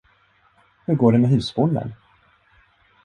Hur går det med husbonden?